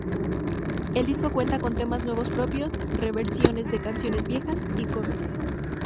El disco cuenta con temas nuevos propios, reversiones de canciones viejas y covers.